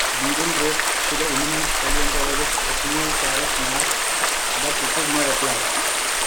Beadle wrote to the eminent paleontologist Othniel Charles Marsh, but received no reply.